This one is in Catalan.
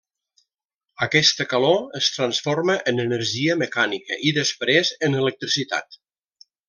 Aquesta calor es transforma en energia mecànica i després en electricitat.